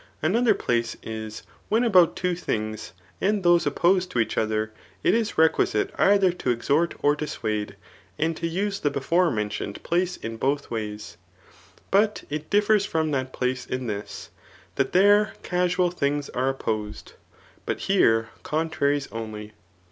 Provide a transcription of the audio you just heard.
Another |dace is, when about tw» things, and those opposed to each other, it is requiake eitber to exhort or dissuade, and to use the before men tioned place in both u'ays. But it difiers from that pbce m this, that there casual things are opposed ; but here contraries only.